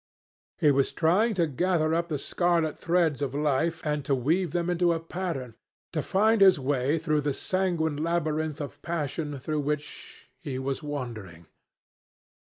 He was trying to gather up the scarlet threads of life and to weave them into a pattern; to find his way through the sanguine labyrinth of passion through which he was wandering.